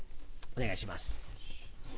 お願いします。